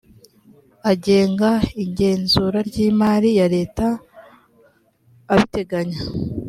agenga igenzura ry imari ya leta abiteganya